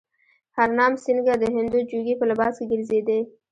هرنام سینګه د هندو جوګي په لباس کې ګرځېدی.